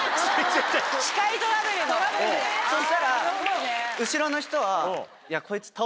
そしたら後ろの人は。